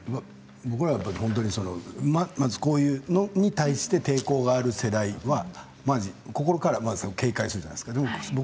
僕らはこういうことに対して抵抗がある世代というか心から警戒するじゃないですか。